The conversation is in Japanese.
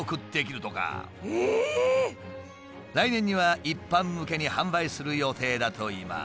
来年には一般向けに販売する予定だといいます。